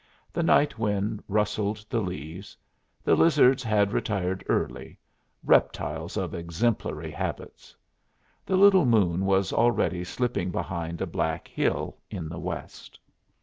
The night wind rustled the leaves; the lizards had retired early, reptiles of exemplary habits. The little moon was already slipping behind a black hill in the west.